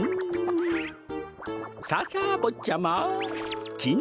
さあさあぼっちゃまきん